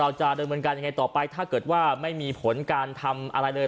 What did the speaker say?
เราจะดำเนินการยังไงต่อไปถ้าเกิดว่าไม่มีผลการทำอะไรเลย